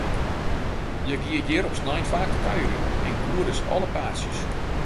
Hja gie hjir op snein faak te kuierjen, en koe dus alle paadsjes.